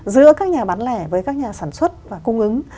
giữa các nhà bán lẻ với các nhà sản xuất và cung ứng